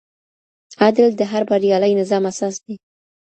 عدل د هر بریالي نظام اساس دی.